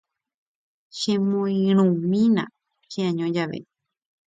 Chemoirũmína che'año jave.